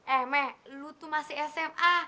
eh meh lu tuh masih sma